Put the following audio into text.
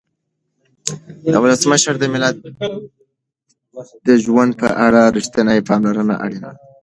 ولسمشره د ملت د ژوند په اړه رښتینې پاملرنه اړینه ده.